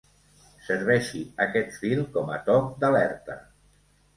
Serveixi aquest fil com a toc d’alerta.